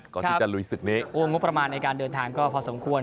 ก่อนที่จะลุยศึกนี้โอ้งบประมาณในการเดินทางก็พอสมควร